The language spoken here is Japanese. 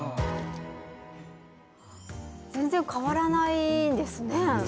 全然変わらないんですね。